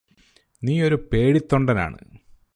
നീയൊരു പേടിത്തൊണ്ടനാണ്